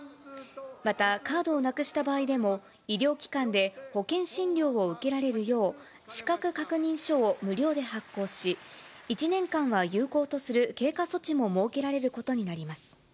また、カードをなくした場合でも、医療機関で保険診療を受けられるよう、資格確認書を無料で発行し、１年間は有効とする経過措置も設けられることになります。